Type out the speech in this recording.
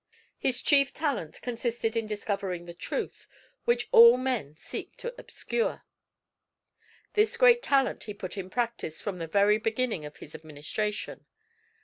His chief talent consisted in discovering the truth, which all men seek to obscure. This great talent he put in practice from the very beginning of his administration.